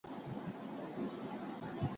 که ملاتړ نه وي پرمختګ ورو وي.